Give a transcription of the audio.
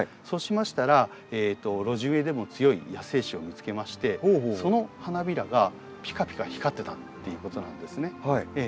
そうしましたら露地植えでも強い野生種を見つけましてその花びらがピカピカ光ってたっていうことなんですね。